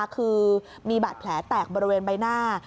คือมีบาดแผลแตกบริเวณใบหน้า